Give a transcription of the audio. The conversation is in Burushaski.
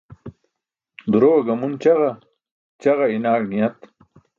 Durowe gamun ćaġa, ćaġa iṅaẏ niyat